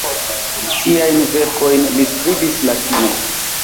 Siajn verkojn li skribis latine.